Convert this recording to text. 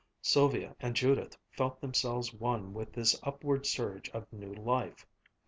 Sylvia and Judith felt themselves one with this upward surge of new life.